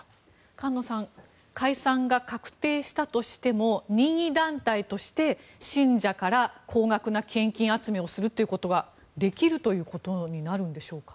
菅野さん解散が確定したとしても任意団体として信者から高額な献金集めをするということはできるということになるんでしょうか。